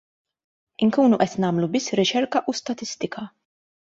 Inkunu qed nagħmlu biss riċerka u statistika.